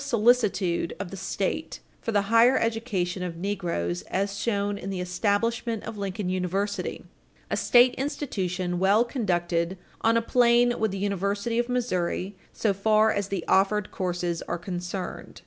345 solicitude of the State for the higher education of negroes as shown in the establishment of Lincoln University, a state institution well conducted on a plane with the University of Missouri so far as the offered courses are concerned.